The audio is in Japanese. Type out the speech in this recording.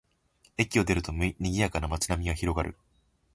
駅を出ると、にぎやかな街並みが広がる